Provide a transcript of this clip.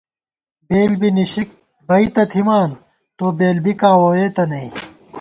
بېل بی نِشِک بئ تہ تھِمان، تو بېل بِکاں ووئېتہ نئ